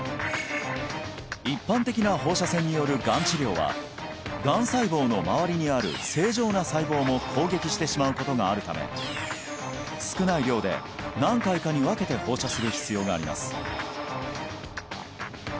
一般的な放射線によるがん治療はがん細胞の周りにある正常な細胞も攻撃してしまうことがあるため少ない量で何回かに分けて放射する必要があります